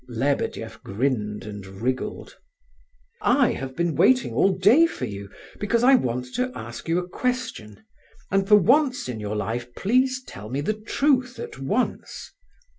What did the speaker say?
Lebedeff grinned and wriggled. "I have been waiting all day for you, because I want to ask you a question; and, for once in your life, please tell me the truth at once.